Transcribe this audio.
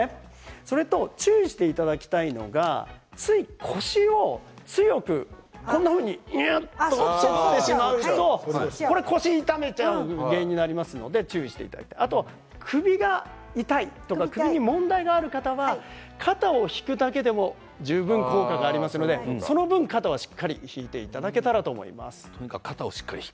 それと注意していただきたいのがつい、腰を強くにゅっと反ってしまうと腰を痛めちゃう原因になりますので注意していただいてあと首が痛い、首に問題がある方は肩を引くだけでも十分、効果がありますのでその分、肩をしっかり引いていただけたらと思います。